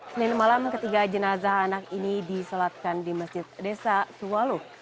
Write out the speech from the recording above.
senin malam ketiga jenazah anak ini disolatkan di masjid desa tualuk